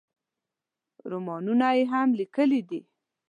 رومانونه یې هم لیکلي دي.